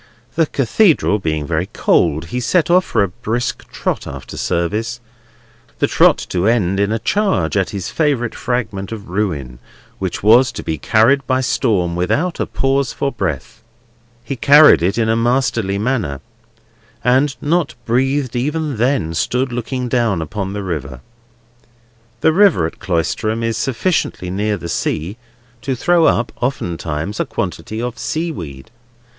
The Cathedral being very cold, he set off for a brisk trot after service; the trot to end in a charge at his favourite fragment of ruin, which was to be carried by storm, without a pause for breath. He carried it in a masterly manner, and, not breathed even then, stood looking down upon the river. The river at Cloisterham is sufficiently near the sea to throw up oftentimes a quantity of seaweed.